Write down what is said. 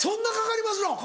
かかります。